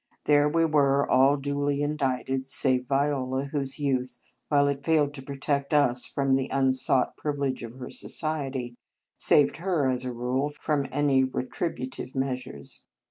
There we were, all duly indicted, save Viola, whose youth, while it failed to protect us from the unsought privilege of her society, saved her, as a rule, from any retrib utive measures.